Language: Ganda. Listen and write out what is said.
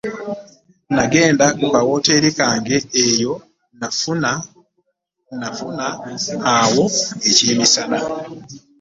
N’agenda ku ka wooteeri kange eyo n'afuna awo eky'emisana.